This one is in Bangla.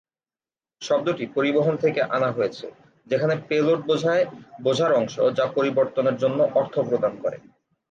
শব্দটি পরিবহন থেকে আনা হয়েছে, যেখানে পেলোড বোঝায় বোঝার অংশ যা পরিবহনের জন্য "অর্থ" প্রদান করে।